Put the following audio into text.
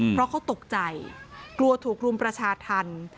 เพราะเขาตกใจกลัวถูกรุมประชาธรรม